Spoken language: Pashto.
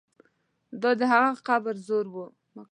دا د هغه قبر زور وو.